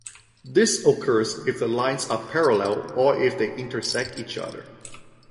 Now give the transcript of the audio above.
This occurs if the lines are parallel, or if they intersect each other.